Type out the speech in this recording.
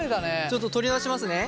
ちょっと取り出しますね。